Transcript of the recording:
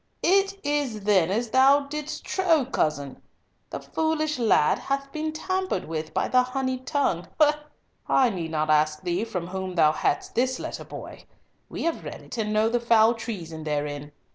It is then as thou didst trow, cousin, the foolish lad hath been tampered with by the honeyed tongue. I need not ask thee from whom thou hadst this letter, boy. We have read it and know the foul treason therein.